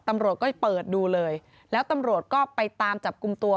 ตำรวจก็เปิดดูเลยแล้วตำรวจก็ไปตามจับกลุ่มตัว